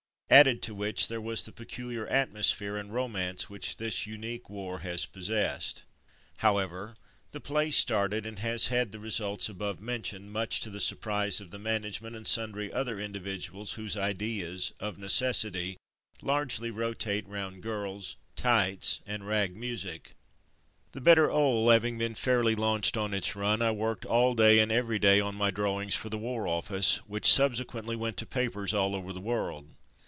Added to which there was the peculiar atmosphere and romance which this unique war has possessed. A Request from America 253 However, the play started, and has had the results above mentioned, much to the surprise of the management and sundry other individuals whose ideas, of necessity, largely rotate round girls, tights, and rag music. The Better 'Ole having been fairly launched on its run, I worked all day and every day on my drawings for the War Office, which sub sequently went to papers all over the world.